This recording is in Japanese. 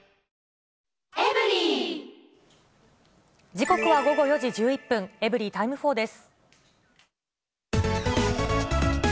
時刻は午後４時１１分、エブリィタイム４です。